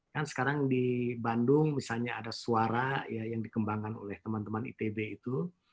kan sekarang di bandung misalnya ada suara yang dikembangkan oleh teman teman itb itu